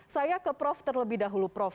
saya ke prof terlebih dahulu prof